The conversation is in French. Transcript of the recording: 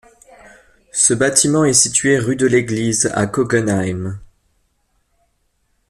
Ce bâtiment est situé rue de l'Église à Kogenheim.